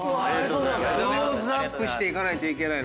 クローズアップしていかないといけないなということで。